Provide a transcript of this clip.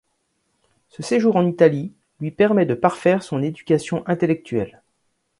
Ce séjour en Italie lui permet de parfaire son éducation intellectuelle.